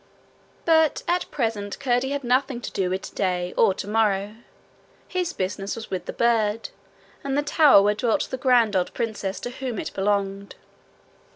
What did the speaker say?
But at present Curdie had nothing to do with today or tomorrow; his business was with the bird, and the tower where dwelt the grand old princess to whom it belonged.